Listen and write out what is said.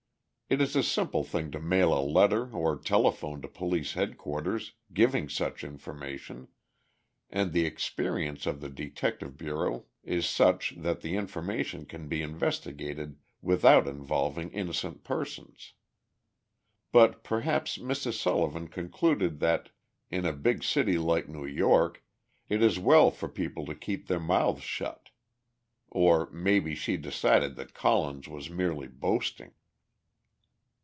It is a simple thing to mail a letter or telephone to Police Headquarters, giving such information, and the experience of the Detective Bureau is such that the information can be investigated without involving innocent persons. But perhaps Mrs. Sullivan concluded that, in a big city like New York, it is well for people to keep their mouths shut. Or maybe she decided that Collins was merely boasting.